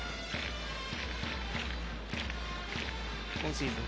今シーズン